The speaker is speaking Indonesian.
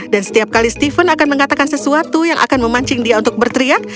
dan setiap kali steven akan mengatakan sesuatu yang akan memancing dia untuk berteriak